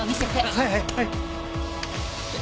はいはい！